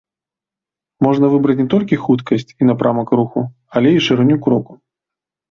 Можна выбраць не толькі хуткасць і напрамак руху, але і шырыню кроку.